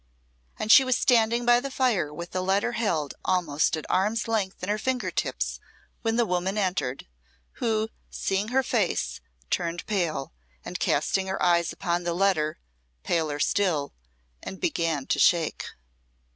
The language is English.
She was standing by the fire with the letter held almost at arm's length in her finger tips, when the woman entered, who, seeing her face, turned pale, and casting her eyes upon the letter, paler still, and began to shake.